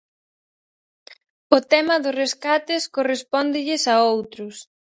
O tema dos rescates correspóndelles a outros.